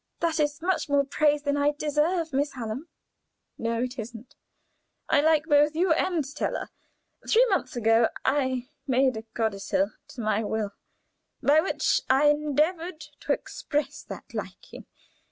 "That is much more praise than I deserve, Miss Hallam." "No, it isn't. I like both you and Stella. Three months ago I made a codicil to my will by which I endeavored to express that liking.